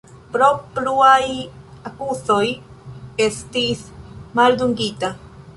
Pro pluaj akuzoj estis maldungita.